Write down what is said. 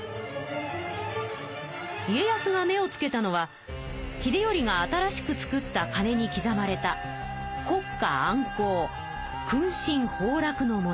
家康が目をつけたのは秀頼が新しく作ったかねにきざまれた「國家安康」「君臣豊樂」の文字。